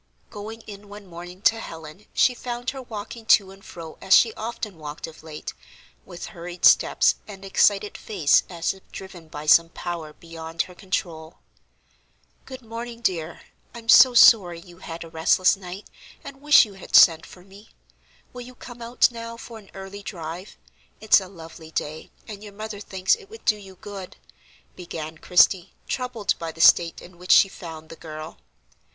Going in one morning to Helen she found her walking to and fro as she often walked of late, with hurried steps and excited face as if driven by some power beyond her control. "Good morning, dear. I'm so sorry you had a restless night, and wish you had sent for me. Will you come out now for an early drive? It's a lovely day, and your mother thinks it would do you good," began Christie, troubled by the state in which she found the girl.